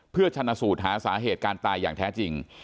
เพื่อชนะสูตรหาสาเหตุการตายอย่างแท้จริง